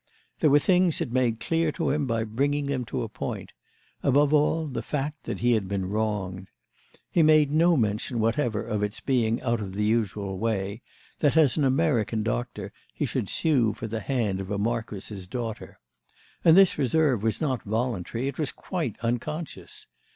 There were things it made clear to him by bringing them to a point—above all, the fact that he had been wronged. He made no mention whatever of its being out of the usual way that, as an American doctor, he should sue for the hand of a marquis's daughter; and this reserve was not voluntary, it was quite unconscious.